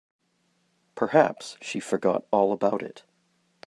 Perhaps she forgot all about it.